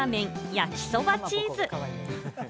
焼きそばチーズ。